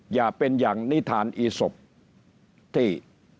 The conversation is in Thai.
อย่าเป็นอย่างนิทานอีศพที่